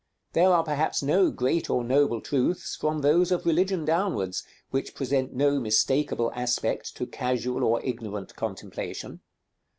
There are perhaps no great or noble truths, from those of religion downwards, which present no mistakeable aspect to casual or ignorant contemplation.